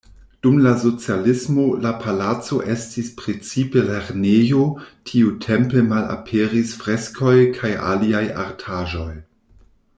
Dum la socialismo la palaco estis precipe lernejo, tiutempe malaperis freskoj kaj aliaj artaĵoj.